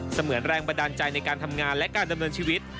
เหมือนแรงบันดาลใจในการทำงานและการดำเนินชีวิต